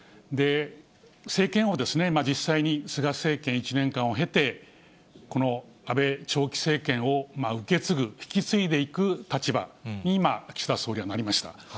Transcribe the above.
政権を実際に菅政権１年間を経て、この安倍長期政権を受け継ぐ、引き継いでいく立場に今、岸田総理はなりました。